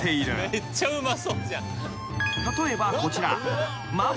［例えばこちら］安い。